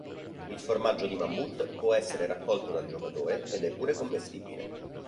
Il formaggio di Mammut può essere raccolto dal giocatore ed è pure commestibile.